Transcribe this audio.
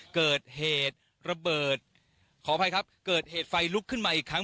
เกิดเหตุระเบิดขออภัยครับเกิดเหตุไฟลุกขึ้นมาอีกครั้ง